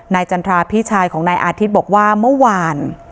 จันทราพี่ชายของนายอาทิตย์บอกว่าเมื่อวาน